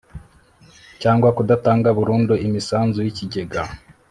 cyangwa kudatanga burundu imisanzu y ikigega